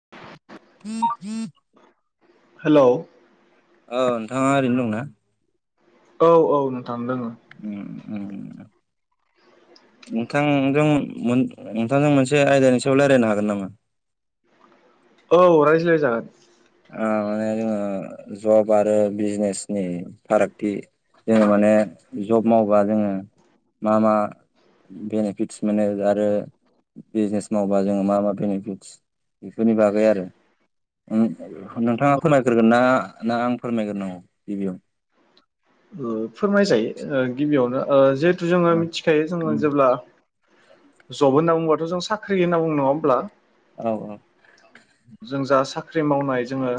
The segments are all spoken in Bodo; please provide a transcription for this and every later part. [inaudible] हेल'। ओह नोंथाङा ओरैनो दंना? औ औ नोंथां दोङो। ओम। नोंथांजों नोंथांजों मोनसे आयदानि सायाव लायरायनो हागोन नामा? [inaudible] औ रायज्लायजागोन। माने [inaudible] ओ जब आरो बिजनेसनि फारागथि जोङो माने जब मावबा जोङो मा मा बेनिफिटस मोनो आरो बिजनेस मावबा जोङो मा मा बेनिफिटस बेफोरनि बागै आरो ओ नोंथाङा फोरमायग्रोगोन ना ना आं फोरमायग्रोनांगौ गिबियाव? ओ फोरमायजायो ओ गिबियावनो ओ जिहेतु जोङो मिथिखायो जोङो जेब्ला जब होनना बुंबा थ' होनबा जों साख्रि होनना बुङा नङा होनब्ला ओ उम औ औ जों जास साख्रि मावनाय जोङो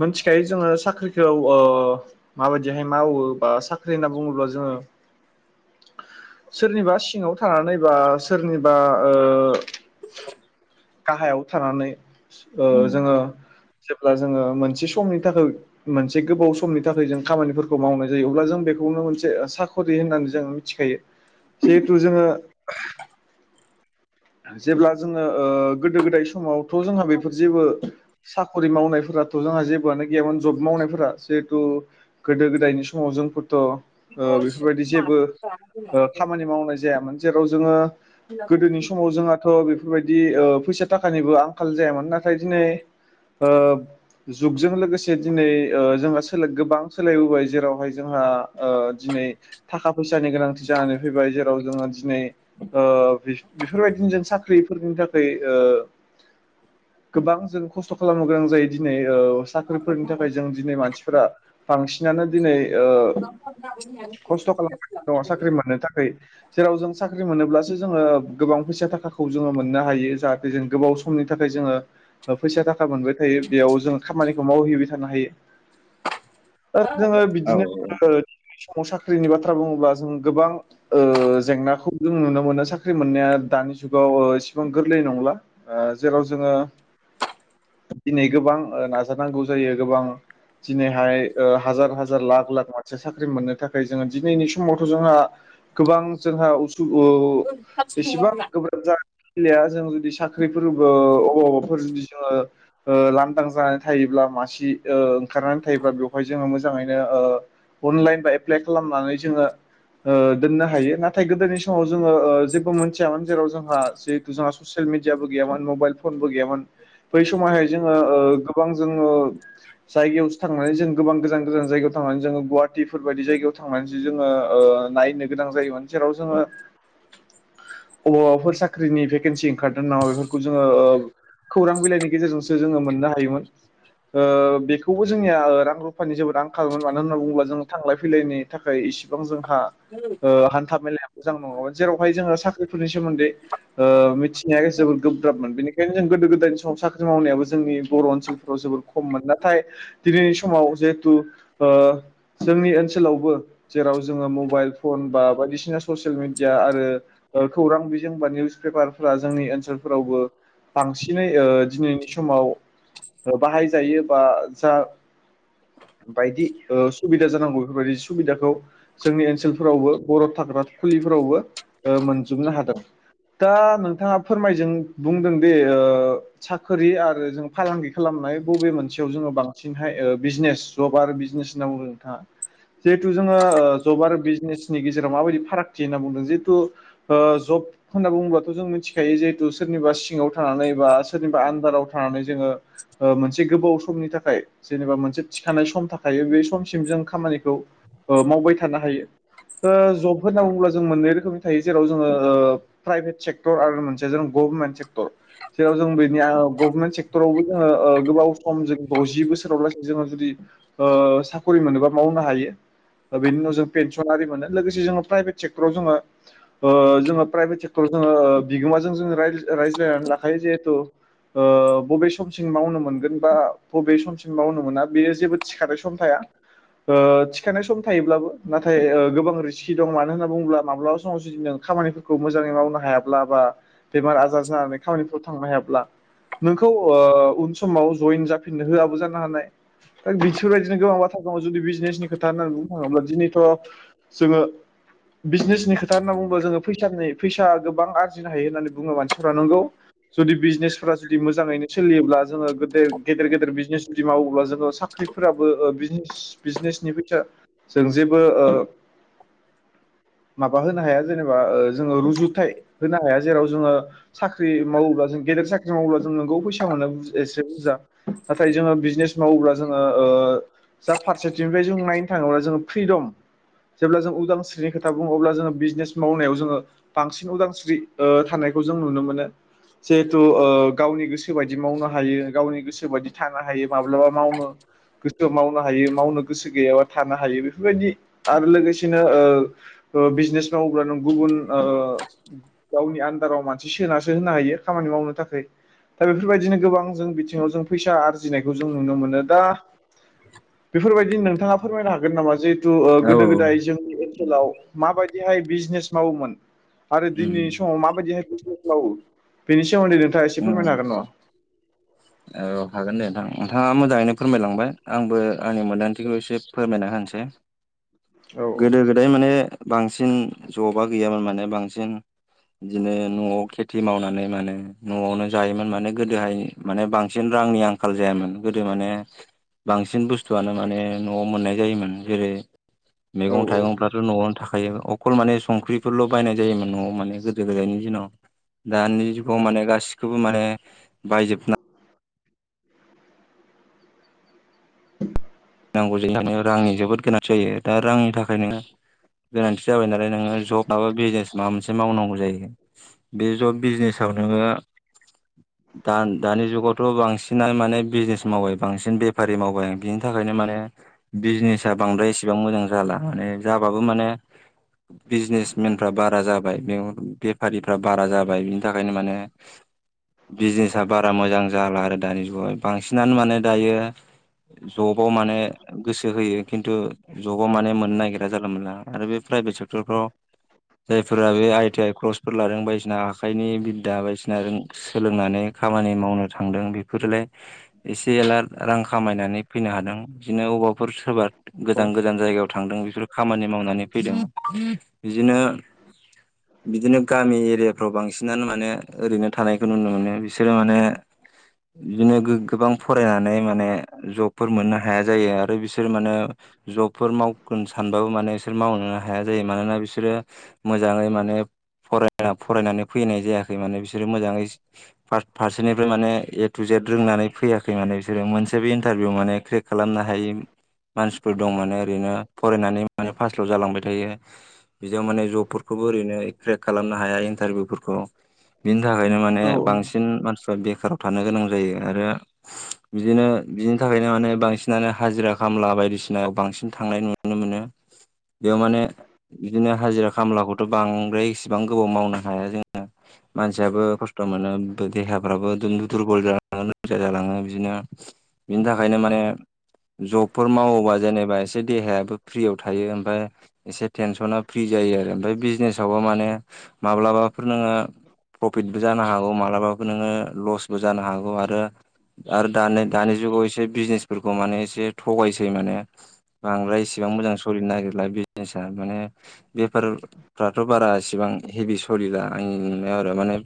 मोनथि खायो जोङो साख्रिखौ ओ माबादि जेहाय मावो बा साख्रि होनना बुङोब्ला जोङो सोरनिबा सिङाव थानानै बा सोरनिबा ओ गाहायाव थानानै ओ उम जोङो जेब्ला जोङो मोनसे समनि थाखाय मोनसे गोबाव समनि थाखाय जों खामानिफोरखौ मावनाय जायो अब्ला जों बेखौ खौनो मोनसे साखरि होननानै जोङो मिथिखायो जिहेथु जोङो जेब्ला जोङो ओ गोदो गोदाय समावथ जोंहा बेफोर जेबो साखरि मावनायफोराथ जोंहा जेबोआनो गैयामोन। जब मावनायफोरा जिहेथु गोदो गोदायनि समाव जोंफोर थ ओ बेफोरबायदि जेबो ओ खामानि मावनाय जायामोन जेराव जोङो गोदोनि स माव जोंहाथ बेफोरबायदि ओ फैसा थाखानिबो आंखाल जायामोन नाथाय दिनै ओ जुगजों लोगोसे दिनै ओ जोंहा सोलो गोबां सोलायबोबाय जेरावहाय जोंहा ओ नै थाखा फैसानि गोनांथि जानानै फैबाय जेराव जोङो दिनै ओ बेफोरबायदिनो जों साख्रिफोरनि थाखाय ओ गोबां जों खस्थ खालामनो गोनां जायो दिनै ओ साख्रिफोरनि थाखाय जों दिनै मानसिफोरा बांसिनानो दिनै ओ खस्थ खालामगासिनो दङ साख्रि मोननो थाखाय जेराव जों साख्रि साख्रि मोनोब्लासो जोङो गोबां फैसा थाखाखौ जोङो मोननो हायो जाहाथे जों गोबाव समनि थाखाय जोङो फैसा थाखा मोनबाय थायो बेयाव जोङ खामानिखौ मावहैबाय थानो हायो। आरो जोङो औ बिदिनो जोङो समाव साख्रिनि बाथ्रा बुङोब्ला जों गोबां ओ जेंनाखौ जों नुनो मोनो साख्रि मोननाया दानि जुगाव इसेबां गोरलै नंला ओ जेराव जोङो दिनै गोबां ओ नाजानांगौ जायो गोबां दिनैहाय ओ हाजार हाजार लाख लाख मान साख्रि मोननो थाखाय जोङो दिनैनि समावथ जोंहा गोबां जोंहा उसु उ एसेबां गोब्राब जानाय खलाया जों जुदि साख्रिफोरबो अबावबाफोर जुदि ओ ओ लांदां जानानै थायोब्ला मासि ओ ओंखारनानै थायोब्ला बेवहाय जोङो मोजाङैनो ओ अनलाइन बा एप्लाइ खालामनानै जोङो ओ दोननो हायो नाथाय गोदोनि समाव जोङो ओ जेबो मोनन्थियामोन जेराव जोंहा जिहेतु जोंहा ससियेल मिडियाबो गैयामोन मबाइल फनबो गैयामोन बै समावहाय जोङो ओ गोबां जोङो जायगायावसो थांनानै जों गोबां गोजान गोजान जायगायाव थांनानै जोङो गुवाहाटिफोरबायायदि जायगायाव थांनानैसो जोङो ओ नायनो गोनां जायोमोन जेराव जोङो अबावबाफोर साख्रिनि भेकेन्सि ओंखारदों नामा बेफोरखौ जोङो ओ खौरां बिलाइनि गेजेरजोंसो जोङो मोननो हायोमोन ओ बेखौबो जोंनिया रां रुफानि जोबोद आंखालोन मानो होनना बुङोब्ला जों थांलाय फैलायनि थाखाय इसेबां जोंहा हान्था ओ मेलाया मोजां नङामोन जेरावहाय जोङो साख्रिफोरनि सोमोन्दै ओ मिथिनाया जोबोद गोब्राबमोन बेनिखायनो जों गोदो गोदायनि समाव साख्रि मावनायाबो जोंनि बर ओनसोलफोराव जोबोर खममोन नाथाय दिनैनि समाव जिहेथु ओ जोंनि ओनसोलावबो जेराव जोङो मबाइल फन बा बायदिसिना ससियेल मिड या आरो खौरां बिजों बा निउस पेपारफ्रा जोंनि ओनसोलफोरावबो बांसिनै ओ दिनैनि समाव बाहायजायो बा जा [inaudible] बायदि ओ सुबिदा जानांगौ बेफोरबायदि सुबिदाखौ जोंनि ओनसोलफोरावबो बरफ थाग्रा खुलि फोरावबो ओ मोनजोबनो हादों दा नोंथाङा फोरमायजों बुंदों दे ओ साख्रि आरो जों फालांगि खालाम हाय बबे मोनसेयाव जोङो बांसिनहाय ओ बिजनेस जब आरो बिजनेस होनना बुङो नोंथाङा जिहेथु जोङो जब आरो बिजनेसनि गेजेराव माबायदि फाराग होनना बुंदों जिहेतु ओ जब होन्ना बुङोबाथ जों मिथिखायो जिहेतु सोरनिबा सिङाव थानानै बा सोरनिबा आन्दाराव थानानै जोङो ओ मोनसे गोबाव समनि थाखाय थाखाय जेनेबा मोनसे थिखानाय सम थाखायो बे समसिम जों खामानिखौ ओ मावबाय थानो हायो ओ जब होनना बुंब्ला जों मोननै रोखोमनि थायो जेराव जोङो ओ प्राइभेट सेक्टर आरो मोनसे जों गभारनमेन्ट सेक्टर। जेराव जों बेनि गभर्नमेन्ट सेक्टरावबो जोङो ओ गोबाव सम जों दजि बोसोराव लासै जोङो जुदि ओ साखरि मोनोबा मावनो हायो बेनि उनाव जों पेनसनारि मोनो लोगोसे जोङो प्राइभेट सेक्टराव जोङो ओ जोङो प्राइभेट सेक्टराव जोङोओ बिगोमाजों जोङो रायज्लाय रायज्लायनानै लाखायो जिहेथु ओ बबे समसिम मावनो मोनगोन बा बबे समसिम मावनो मोना बेयो जेबो थिखानाय सम थाया ओ थिखानाय सम थायोब्लाबो नाथाय ओ गोबां रिस्कि दं मानो हो अब्ला माब्लाबा समाव जुदि नों खामानिफोरखौ मोजाङै मावनो हायाब्ला बा बेमार आजार जानानै खामानिफोरखौ थांनो हायाब्ला नोंखौ ओ उन समाव जयेन जाफिननो होआबो जानो हानाय बिसोरबायदिनो गोबां बाथ्रा सिगाङाव जुदि बिजनेसनि खोथा होननानै बुंनो थाङोब्ला दिनैथ जोङो बिजनेसनि खोथा होनना बुङोबा जोङो फैसानि फैसा गोबां आरजिनो हायो होननानै बुङो मानसिफ्रा नंगौ जुदि बिजनेसफोरा जुदि मोजाङैनो सोलियोब्ला जोङो गोदेर गेदेर गेदेर बिजनेस जुदि मावोब्ला जोङो साख पि फोराबो ओ बिजनेस बिजनेसनि फैसा जों जेबो ओ [inaudible] माबा होनो हाया जेनबा ओ जोङो रुजुथाय होनो हाया जेराव जोङो साख्रि मावोबा जों गेदेर साख्रि मावोब्ला जों नोंगौ फैसा मोननानै एसे बुरजा नाथाय जोङो बिजनेस मावोब्ला जोङो ओ जा फारसेथिंनिफ्राय जों नायनो थाङोबा जोङो फ्रिदम जेब्ला जों उदांस्रिनि खोथ था बुङोब्ला जोङो बिजनेस मावनायाव जोङो बांसिन उदांस्रि ओ थानायखौ जों नुनो मोनो जिहेथु ओ गावनि गोसोबायदि मावनो हायो गावनि गोसो सो बायदि थानो हायो माब्लाबा मावनो गोससोमावनो हायो मावनो गोसो गैयाबा थानो हायो बेफोरबायदि आरो लोगोसेनो ओ ओ बिजनेस मावोब्ला नों गुबुन ओ गावनि आन्दाराव मानसि सोनासो होनो हायो खामानि मावनो थाखाय दा बेफोरबायदिनो गोबां जों बिथिङाव जों फैसा आरजि जिनायखौ जों नुनो मोनो दा बेफोरबायदि नोंथाङा फोरमायनो हागोन नामा जिहेतु ओ औ गोदो औ गोदाय जोंनि ओनसोलाव माबाय जिहाय बिजनेस मावोमोन आरो उम दिनैनि समाव माबायदि बिजनेज मावो बेनि सोमोन्दै नोंथाङा एसे उम फोरमायनो हागोन नामा औ हागोन दे नोंथां नोंथाङा मोजाङैनो फोरमायलांबाय आंबो आंनि मोन्दांथिखौ एसे फोरमायना होनोसै औ गोदो गोदाय माने बांसिन जबा गैयामोन माने बांसिन बिदिनो नआव खेथि मावनानै माने नआवनो जायोमोन माने गोदोहाय माने बां सिन रांनि आंखाल जायामोन गोदो माने बांसिन बुस्थुआनो माने नआव मोननाय जायोमोन जेरै औ मैगं थाइगंफ्राथ नआवनो थाख खायो अखल माने संख्रिफोरल' बायनाय जायोमोन न'आव माने गोदो गोदायनि दिनाव दानि जुगाव माने गासिखौबो माने बायजोबना नांगौ जायोनो रांनि जोबोद गोनां जायो दा रांनि थाखायनो गोनांथि जाबाय नालाय नोङो जब माबा बिजनेस माबा मोनसे मावनांगौ जायो बे जब बिजनेसाव नोङो दानि जुगावथ' बांसिन माने बिजनेस मावबाय बांसिन बेफारि मावबाय बिनि थाखायनो माने बिजनेसा बांद्राय एसेबां मोजां जाला माने जाबाबो माने बिजनेसमेनफ्रा बारा जाबाय बे बेफारिफ्रा बारा जाबाय बिनि थाखायनो माने बिजनेसा बारा मोजां जाला आरो दानि जुगाव बांसिनानो माने दायो जबाव माने गोसो होयो खिन्थु जबाव माने मोननो नागिरा जाालला मोनला आरो बे प्राइभेट [unintelligible] जायफोरा बे आइ टि आइ कर्सफोर लादों बायदिसिना आखाइनि बिद्दा बायदिना सोलोंनानै खामानि मावनो थांदों बेफोरलाय एसे एल रां खामायनानै फैनो हादों बिदिनो अबा फोर सोरबा गोजान गोजान जायगायाव थांदों बेफोर खामानि मावनानै फैदों बिदिनो [inaudible] बिदिनो गामि एरियाफ्राव बांसिनानो माने ओरैनो थानायखौ नुनो मोनो बिसोरो माने बिदिनो गो-गोबां फरायनानै माने जब फोर मोननो हाया जायो आरो बिसोर माने जबफोर मावगोन सानबाबो माने बिसोर मावनोनो हाया जायो मानोना बिसोरो मोजाङै माने फराया फरायनानै फैनाय जायाखै माने बिसोरो मोजाङै फारसेनिफ्राय माने ए टु जेट रोंनानै फैयाखै माने बिसोरो मोनसेबो इन्टारभिउ माने क्रेक खालामनो हायि मानसिफोर दं माने ओरैनो फरायनानै माने पास्ल' जालांबाय थायो बिदि माने जबफोरखौबो ओरैनो क्रेक खालामनो हाया इन्टारभिउफोरखौ बि नि थाखायनो माने औ बांसिन मानसिफ्रा बेखाराव थानो गोनां जायो आरो बिदिनो बि थाखायनो माने बांसिनानो हाजिरा खामला बायदिसिनााव बांसिन थांनाय नुनो मोनो बेयाव माने बिदिनो हाजिरा खामलाखौथ' बांद्राय इसेबां गोबाव मावनो हाया जोङो मानसियाबो खस्थ' मोनो देहाफ्राबो दु-दुरबल जालाङो जालाङो नोरजिया जालाङो बिदिनो बिनि थाखायनो माने जबफोर मावोबा जेनेबा एसे देहायाबो फ्रियाव थायो ओमफ्राय एसे टेनसना फ्रि जा जायो आरो ओमफ्राय बिजनेसावबो माने माब्लाबाफोर नोङो प्रफिटबो जानो हागौ मालाबाबो नोङो लसबो जानो हागौ आरो आरो दानि दानि जुगाव एसे बिजनेसफोरखौ माने एसे थगायसै माने बांद्राय एसेबां मोजां सोलिनो नागिरला बिजनेसा माने बेफारफ्राथ' बारा इसेबां हेभि सोलिला आंनि नुनायाव आरो माने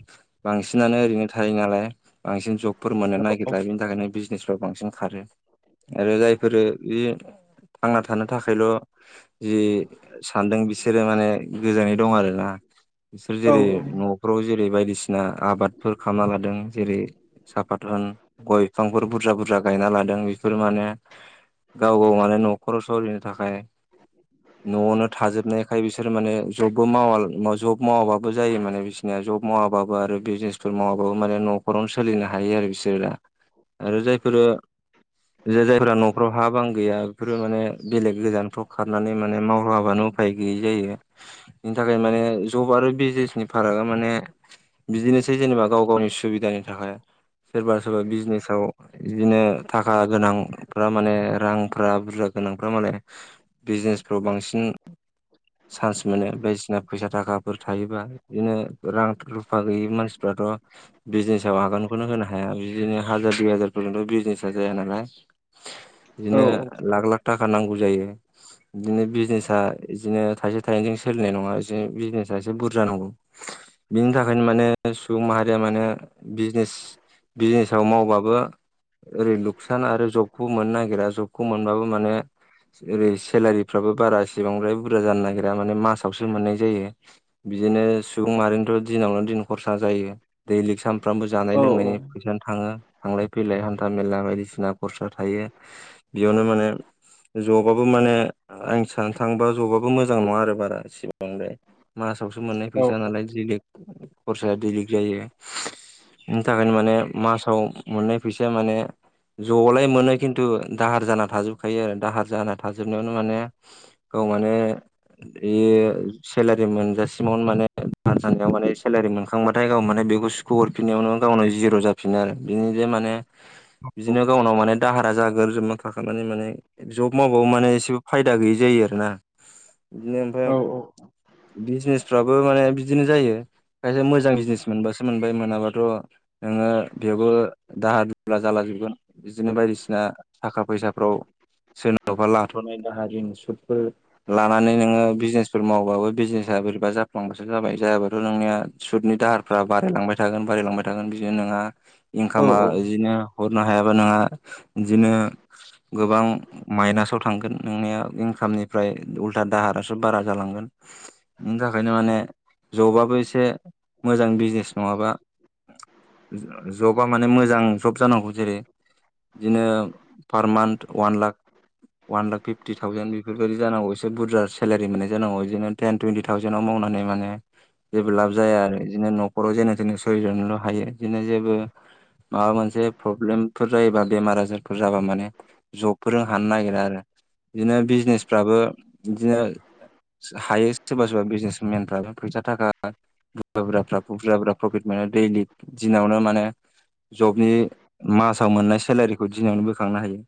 बांसिनानो ओरैनो थायो नालाय बांसिन जबफोर मोननो नागिरला बेनि थाखायनो बिज नेसफ्राव बांसिन खारो आरो जायफोरो बे थांना थानो थाखायल' जि सानदों बिसोरो माने गोजोननाय दं आरोना बिसोर औ जेरै- औ न'फोराव जे बे बायदिसिना आबादफोर खालामना लादों जेरै- साफाथ होन गय बिफां फोर बुरजा बुरजा गायना लादों बेफोर माने गाव गाव माने न'खराव स'लिनो थाखाय न'आवनो थाजोबनायखाय बिसोर माने जबबो मावा जब मावाबाबो जायो माने बिसिनिया जब मावाबाबो आरो बिजनेसफोर मावाबाबो माने न'खरावनो सोलिनो हायो आरो बिसोरा आरो जायफोरो जे जायफोरा न'फ्राव हा बां गैया बेफोरो माने बेलेग गोजानफ्राव खारनानै माने मावहैआबानो उफाय गैयै जायो बिनि थाखाय माने जब आरो बिजनेसनि फारागा माने बिदिनोसै जेनेबा गाव गावनि सुबिदानि थाखाय सोरबा सोरबा बिजनेसाव बिदिनो थाखा गोनांफ्रा माने रांफ्रा बुरजा गोनांफ्रा माने बिजनेसफोराव बांसिन चान्स मानो बायदिसिना फैसा थाखाफोर थायोबा, बिदिनो रां रुफा गैयि मानसिफ्राथ' बिजनेसाव आगानखौनो होनो हाया बिदिनो हाजार, दुइ हाजार फोरजोंथ' बिजनेसा जाया नालाय बिदिनो लाख लाख थाखा नांगौ जायो। बिदिनो बिजनेसा बिदिनो थाइसे थाइनैजों सोलिनाय नङा बिनो बिजनेसा एसे बुरजा नांगौ। बिनि थाखायनो माने सुबुं माहारिया माने बिजनेस बिजनेसाव मावबाबो ओरै लुकसान आरो जबखौ मोननो नागिरा, जबखौ मोनबाबो माने ओरै सेलारिफ्राबो बारा एसेबांद्राय बुरजा जानो नागिरा माने मासावसो मोननाय जायो। बिदिनो सुबुं माहारिनोथ' दिनावनो दिन खरसा जायो, दैलिग साम फ्रामबो जानाय लोंनायनि फैसानो थाङो। थांलाय फैलाय हान्था मेला बायदिसिना खरसा थायो। बेयावनो माने जबाबो माने आं सानो थाङोबा जबाबो मोजां नङा आरो बारा एसेबांद्राय। मासावसो मोननाय फैसा नालाय [unintelligible] खरसाया दैलिक जायो बिनि थाखायनो माने मासाव मोननाय फैसाया माने ज'लाय मोनो खिन्थु दाहार जाना थाजोबखायो आरो। दाहार जाना थाजोबनायावनो माने खौ मानो इयो सेलारि मोनजासिमावनो माने खांबाथाय गाव माने बेखौ सुख' हरफिननायावनो गावनो जिर' जाफिनो आरो बिनि जे माने [inaudible] बिदिनो गावनाव माने दाहारा जागोरजोबना थाखानानै माने जब मावाबो माने एसेबो फायदा गैयै जायो। रो ना औ औ बिजनेसफ्राबो माने बिदिनो जायो। खायसे मोजां बिजनेस मोनबासो मोनबाय मोनाबाथ' नोङो बेयावबो दाहा ला जालाजोबगोन बिदिनो बायदिसिना थाखा फैसाफ्राव सोरनावबा लाथ'नाय दाहार, रिन, सुदफोर लानानै नोङो बिजनेसफोर मावबाबो बिजनेसा बा बोरैबा जाफ्लांबासो जाबाय, जायाबाथ' नोंनिया सुटनि दाहारफ्रा बारायलांबाय थागोन बारायलांबाय थागोन बिदिनो नोंहा आ औ इंखामा औ नो हरनो हायाबा नोंहा इदिनो गोबां माइनासाव थांगोन नोंनिया इनखामनिफ्राय उल्था दाहारासो बारा जालांगोन इनि थाखायनो माने जबाबो एसे मोजां बिजनेस नङाबा, जबा माने मो जां जब जानांगौ जेरै बिदिनो पार मान्थ अवान लाख अवान लाख फिफ्टि थावजेन बेफोरबायदि जानांगौ एसे बुरजा सेलारि मोन जानांगौ बिदिनो टेन टुइन्टि थावजेनाव माव नानै माने जेबो लाब जाया आरो बिदिनो न'खराव जेने थेने सोलिथनोल' हायो, बिदिनो जेबो माबा मोनसे प्रब्लेमफोर जायोबा, बेमार आजारफोर जाबा माने जबफोरजों हानो नागिरा आरो बिदिनो बिजनेसफ्राबो बिदिनो हायो सोरबा सोरबा बिजनेसमेनफ्राबो फैसा थाखा बुरजा बुरजाफ्रा बुरजा बुरजा प्रफिट मोनो। दैलिख दिनावनो माने जबनि मासाव मोननाय सेलारिखौ दिनावनो बोखांनो हायो।